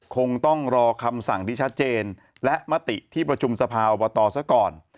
คงต้องรอคำสั่งที่ชัดเจนและมติที่ประชุมสภาอบตซะก่อน